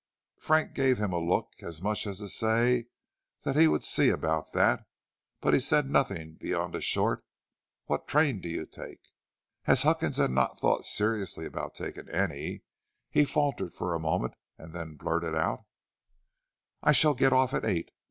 Frank gave him a look as much as to say he would see about that, but he said nothing beyond a short "What train do you take?" As Huckins had not thought seriously of taking any, he faltered for a moment and then blurted out: "I shall get off at eight.